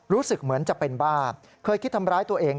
รู้สึกเหมือนจะเป็นบ้าเคยคิดทำร้ายตัวเอง